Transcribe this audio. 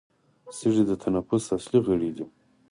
سږي د تنفس اصلي غړي دي